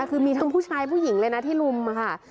คือมีทั้งผู้ชายผู้หญิงเลยนะที่ลุมค่ะ